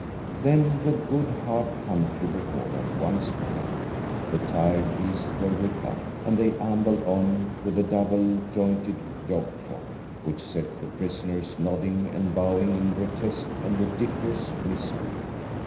Then, with good, hard country before them once more, the tired beasts were whipped up, and they ambled on with a double jointed jogtrot, which set the prisoners nodding and bowing in grotesque and ludicrous misery.